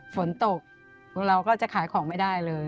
ฝนตกเราก็จะขายของไม่ได้เลย